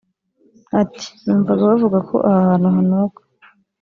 Ati “Numvaga bavuga ko aha hantu hanuka